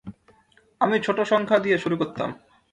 আমি ছোট সংখ্যা দিয়ে শুরু করতাম।